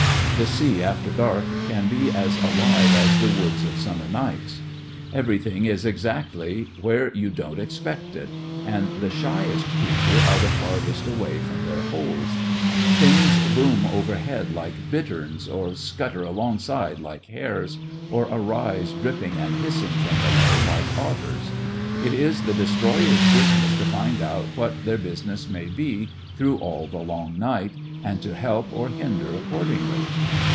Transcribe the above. The sea after dark can be as alive as the woods of sum mer nights. Everything is exactly where you don't expect it, and the shyest creatures are the farthest away 114 THE FRINGES OF THE FLEET from their holes. Things boom over head like bitterns, or scutter along side like hares, or arise dripping and hissing from below like otters. It is the destroyers' business to find out what their business may be through all the long night, and to help or hinder accordingly.